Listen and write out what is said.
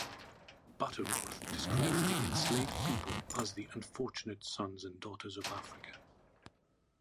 Butterworth describes the enslaved people as "the unfortunate sons and daughters of Africa".